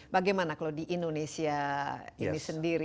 bagaimana kalau di indonesia ini sendiri